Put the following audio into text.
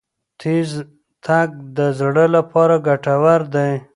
تېز تګ د زړه لپاره ګټور دی.